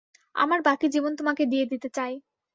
আমার বাকী জীবন তোমাকে দিয়ে দিতে চাই।